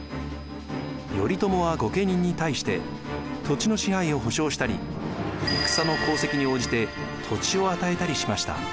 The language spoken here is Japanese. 頼朝は御家人に対して土地の支配を保証したり戦の功績に応じて土地を与えたりしました。